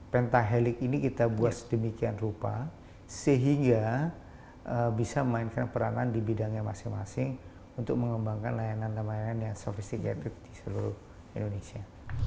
pentahelik ini kita buat sedemikian rupa sehingga bisa memainkan peranan di bidangnya masing masing untuk mengembangkan layanan layanan yang sofistik di seluruh indonesia